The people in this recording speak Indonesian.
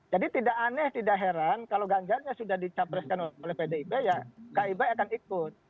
jadi tidak aneh tidak heran kalau ganjarnya sudah dicapreskan oleh pdib ya kib akan ikut